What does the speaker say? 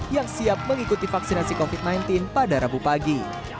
yang siap mengikuti vaksinasi covid sembilan belas pada rabu pagi